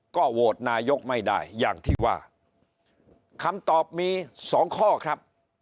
ก็โหวตนายกไม่ได้อย่างที่ว่าคำตอบมีสองข้อครับ